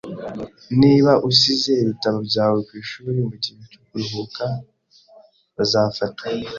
Niba usize ibitabo byawe kwishuri mugihe cyo kuruhuka, bazafatwa